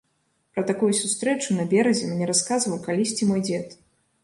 Пра такую сустрэчу на беразе мне расказваў калісьці мой дзед.